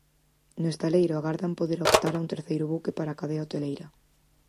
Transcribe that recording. No estaleiro agardan poder optar a un terceiro buque para a cadea hoteleira.